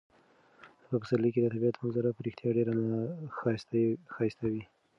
په پسرلي کې د طبیعت منظره په رښتیا ډیره ښایسته وي.